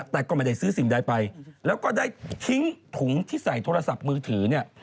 แต่ก็ไม่ได้ซื้อสิ่งใดไปแล้วก็ได้ทิ้งถุงที่ใส่โทรศัพท์มือถือเนี่ย